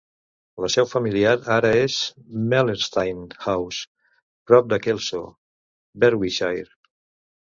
La seu familiar ara és Mellerstain House, prop de Kelso, Berwickshire.